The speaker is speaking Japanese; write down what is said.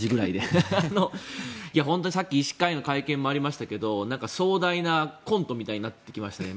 さっきの日本医師会の会見でもありましたけど壮大なコントみたいになってきましたね。